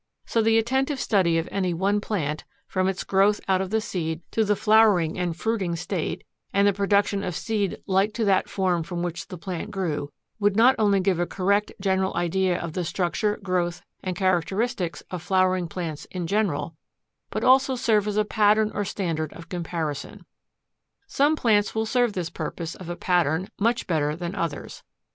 So the attentive study of any one plant, from its growth out of the seed to the flowering and fruiting state and the production of seed like to that from which the plant grew, would not only give a correct general idea of the structure, growth, and characteristics of Flowering Plants in general, but also serve as a pattern or standard of comparison. Some plants will serve this purpose of a pattern much better than others.